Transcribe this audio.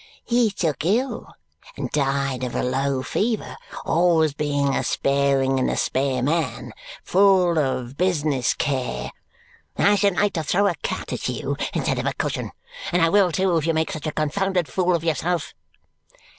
he took ill and died of a low fever, always being a sparing and a spare man, full of business care I should like to throw a cat at you instead of a cushion, and I will too if you make such a confounded fool of yourself!